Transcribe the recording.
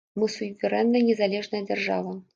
Мы суверэнная незалежная дзяржава.